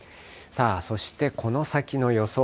そしてこの先の予想